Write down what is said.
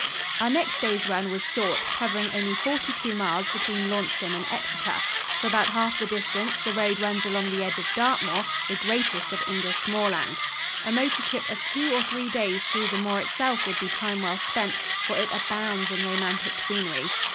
Our next day's run was short, covering only forty two miles between Launceston and Exeter. For about half the distance the road runs along the edge of Dartmoor, the greatest of English moorlands. A motor trip of two or three days through the moor itself would be time well spent, for it abounds in romantic scenery.